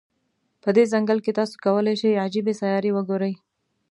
په دې ځنګل کې، تاسو کولای شی عجيبې سیارې وګوری.